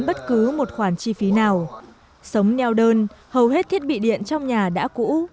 bất cứ một khoản chi phí nào sống neo đơn hầu hết thiết bị điện trong nhà đã cũ